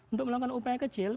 untuk melakukan upaya kecil